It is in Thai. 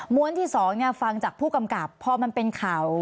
้วนที่๒ฟังจากผู้กำกับพอมันเป็นข่าว